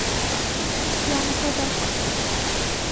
«ЯҢҒЫҘАҠ»